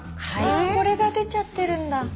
これが出ちゃってるんだ。